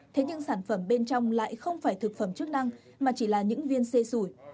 thế nhưng sản phẩm bên trong lại không phải thực phẩm chức năng mà chỉ là những viên xê sủi